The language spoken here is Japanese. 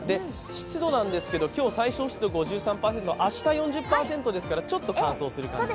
湿度なんですが、今日最小湿度５０％明日４０％ですから、ちょっと感想する感じ。